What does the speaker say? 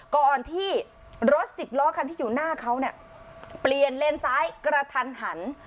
ก่อนที่รถสิบล้อคันที่อยู่หน้าเขาเนี่ยเปลี่ยนเลนซ้ายกระทันหัน